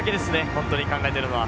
本当に考えてるのは。